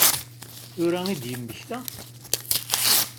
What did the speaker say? Tura i d-yemmekta?